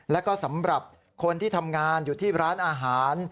แล้วก็สำหรับคนที่ทำงานอยู่ที่ร้านอาหาร